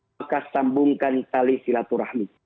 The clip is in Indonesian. maka sambungkan tali silaturahmi